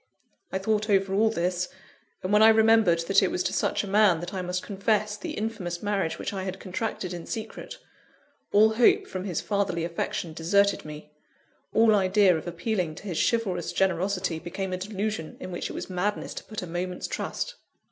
I thought over all this, and when I remembered that it was to such a man that I must confess the infamous marriage which I had contracted in secret, all hope from his fatherly affection deserted me; all idea of appealing to his chivalrous generosity became a delusion in which it was madness to put a moment's trust.